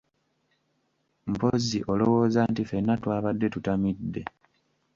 Mpozzi olowooza nti fenna twabadde tutamidde.